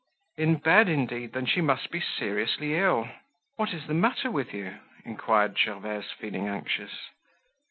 In bed, indeed, then she must be seriously ill! "What is the matter with you?" inquired Gervaise, feeling anxious.